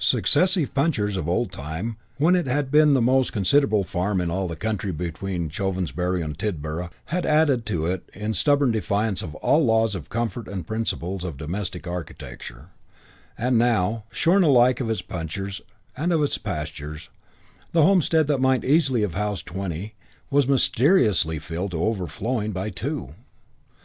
Successive Punchers of old time, when it had been the most considerable farm in all the country between Chovensbury and Tidborough, had added to it in stubborn defiance of all laws of comfort and principles of domestic architecture, and now, shorn alike of its Punchers and of its pastures, the homestead that might easily have housed twenty, was mysteriously filled to overflowing by two.